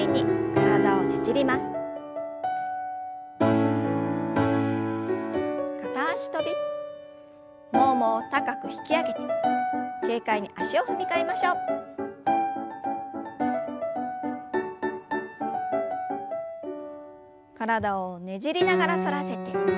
体をねじりながら反らせて斜め下へ。